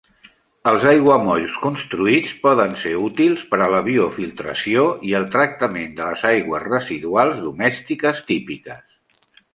Els aiguamolls construïts poden ser útils per a la biofiltració i el tractament de les aigües residuals domèstiques típiques.